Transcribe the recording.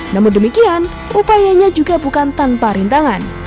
namun demikian upayanya juga bukan tanpa rintangan